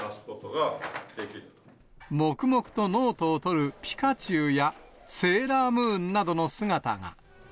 黙々とノートをとるピカチュウやセーラームーンなどの姿が。